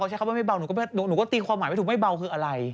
ใช้คำว่าไม่เบาหนูก็ตีความหมายไม่ถูกไม่เบาคืออะไร